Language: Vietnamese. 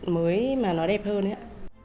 mới mà nó đẹp hơn đấy ạ